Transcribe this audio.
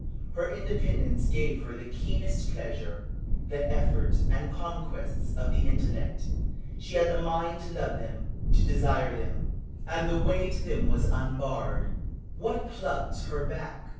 Her independence gave her the keenest pleasure. The effort and conquests of the intellect she had the mind to love them, to desire them; and the way to them was unbarred. What plucked her back?